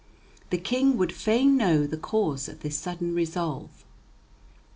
The King would fain know the cause of this sudden resolve.